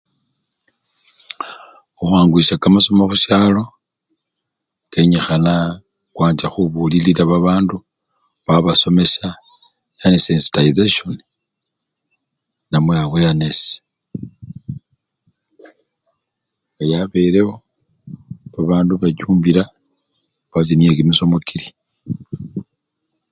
Khukhwanguyisya kamasomo khusyalo, kenyikhana khwancha khubulilila babandu , khwabasomesya yani sensitayisensyoni namwe aweyanesi, nga yabelewo, babandu bachumbila kwanza niye kimisomo kili.